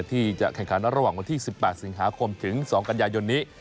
ที่จะแข่งขันระหว่างวันที่๑๘สิงหาคมถึง๒กันยายนนี้